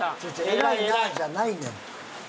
「偉いな」じゃないねん。